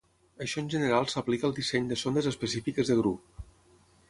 Això en general s'aplica al disseny de sondes específiques de grup.